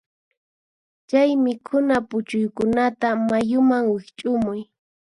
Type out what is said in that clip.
Chay mikhuna puchuykunata mayuman wiqch'umuy.